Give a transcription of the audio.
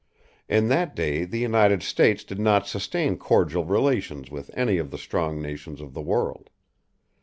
In that day the United States did not sustain cordial relations with any of the strong nations of the world.